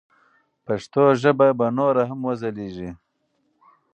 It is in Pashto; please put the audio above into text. پښتو ژبه به نوره هم وځلیږي.